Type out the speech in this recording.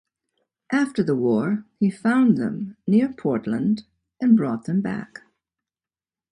After the war he found them near Portland and bought them back.